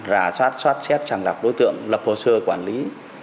rà soát soát xét sàng lập đối tượng lập hồ sơ quản lý